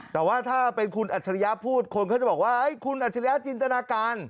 แต่ว่าถ้าเป็นคุณอัจฉริยะพูดคนเขาจะบอกว่าคุณอัจฉริยะจินตนาการ